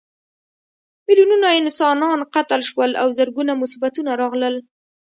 میلیونونه انسانان قتل شول او زرګونه مصیبتونه راغلل.